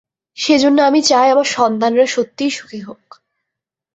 সেজন্য আমি চাই আমার সন্তানরা সত্যিই সুখী হোক।